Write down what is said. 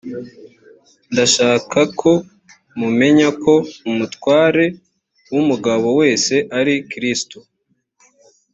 ndashaka ko mumenya ko umutware w umugabo wese ari kristo